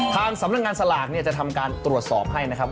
ทางสำนักงานสลากเนี่ยจะทำการตรวจสอบให้นะครับ